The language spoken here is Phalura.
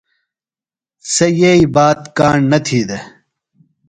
سےۡ یئی بات کاݨ نہ تھی دےۡ۔